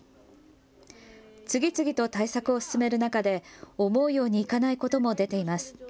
次々と対策を進める中で思うようにいかないことも出ています。